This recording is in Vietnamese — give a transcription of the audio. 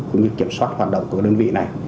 cũng như kiểm soát hoạt động của đơn vị này